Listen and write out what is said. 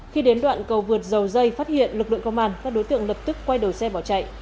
khi đến đoạn cầu vượt dầu dây phát hiện lực lượng công an các đối tượng lập tức quay đầu xe bỏ chạy